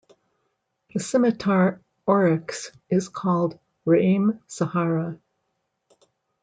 The scimitar oryx is called "re'em Sahara".